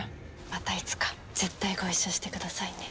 またいつか絶対ご一緒してくださいね。